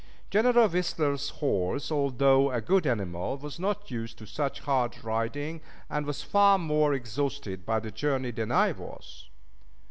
General Whistler's horse, although a good animal, was not used to such hard riding, and was far more exhausted by the journey than I was.